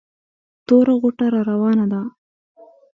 توره غوټه را راوانه وه.